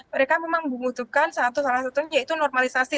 mereka memang membutuhkan salah satunya yaitu normalisasi